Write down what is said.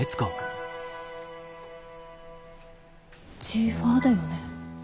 ジーファーだよね？